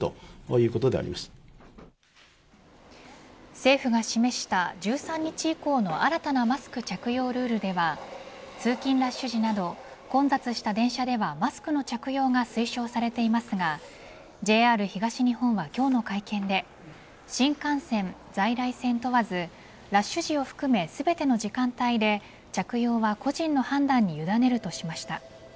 政府が示した１３日以降の新たなマスク着用ルールでは通勤ラッシュ時など混雑した電車ではマスクの着用が推奨されていますがＪＲ東日本は、今日の会見で新幹線、在来線問わずラッシュ時を含め全ての時間帯で着用は個人の判断に委ねるとしました。